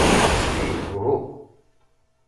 Ih, uhu.